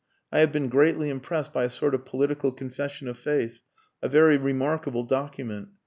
I have been greatly impressed by a sort of political confession of faith. A very remarkable document.